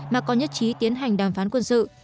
mà còn nhất trí tiến hành đàm phán quân sự